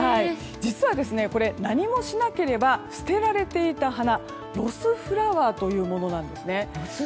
実はこれ、何もしなければ捨てられていた花ロスフラワーというものなんです。